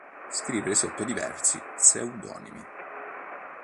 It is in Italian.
Scrive sotto diversi pseudonimi.